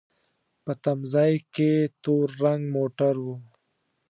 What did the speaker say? په تم ځای کې تور رنګ موټر و.